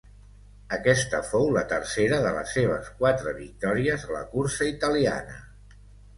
Aquesta fou la tercera de les seves quatre victòries a la cursa italiana.